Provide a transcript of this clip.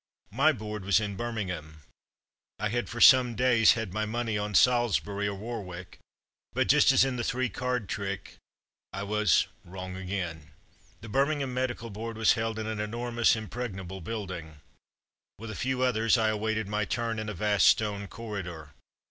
My Board was in Birmingham. I had for some days had my money on Salisbury or War wick, but just as in the three card trick, I was '* wrong again/' The Birmingham Medical Board was held in an enormous impregnable building. With a few others I awaited my turn in a vast stone corridor.